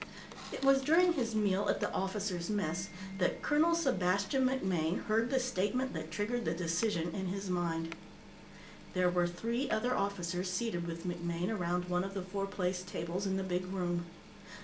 It was during his meal at the Officers' Mess that Colonel Sebastian MacMaine heard the statement that triggered the decision in his mind. There were three other officers seated with MacMaine around one of the four place tables in the big room.